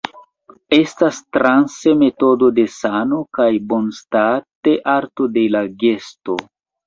Estas transe metodo de sano kaj bonstato, arto de la gesto.